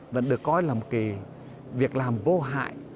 vẫn được coi là một cái việc làm vô hại